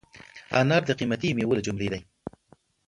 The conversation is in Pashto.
انار د قیمتي مېوو له جملې دی.